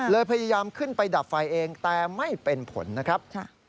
พยายามขึ้นไปดับไฟเองแต่ไม่เป็นผลนะครับ